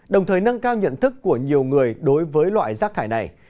đồng thời nâng cao nhận thức của nhiều người đối với loại rác thải này